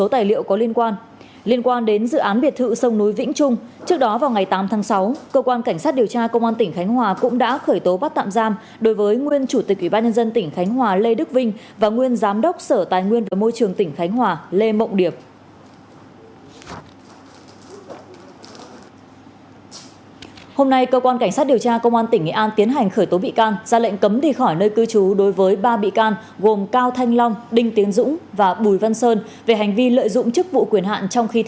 trước đó vào ngày một mươi bốn tháng chín cơ quan cảnh sát điều tra công an tỉnh nghệ an đã tiến hành khởi tố ba bị can với cùng tội danh nêu trên